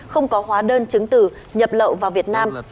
không có hóa đơn chứng tử nhập lậu vào việt nam